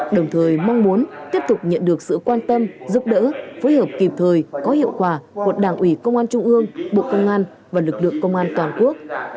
đồng thời mong muốn tiếp tục nhận được sự quan tâm giúp đỡ phối hợp kịp thời có hiệu quả của đảng ủy công an trung ương bộ công an và lực lượng công an toàn quốc